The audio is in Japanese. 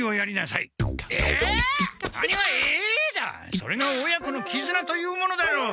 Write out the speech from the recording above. それが親子のきずなというものだろう！